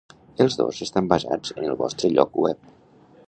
Els dos estan basats en el vostre lloc web.